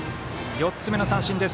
４つ目の三振です。